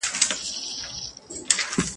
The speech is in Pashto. کوزه په دري چلي ماتېږي.